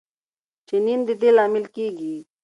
ټینین د دې لامل کېږي.